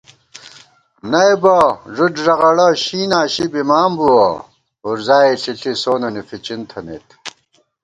نئیبہ ݫُد ݫَغَڑہ شی ناشی بِمان بُوَہ ، وُرزائے ݪِݪی سوننی فِچِن تھنَئیت